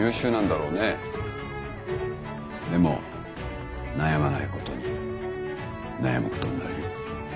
でも悩まないことに悩むことになるよ。